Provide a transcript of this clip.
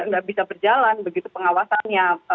nggak bisa berjalan begitu pengawasannya